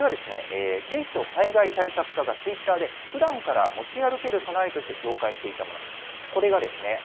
警視庁災害対策課がツイッターでふだんから持ち歩ける備えとして紹介していたものです。